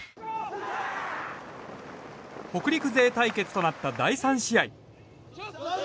北陸勢対決となった第３試合。